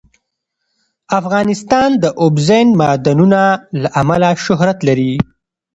افغانستان د اوبزین معدنونه له امله شهرت لري.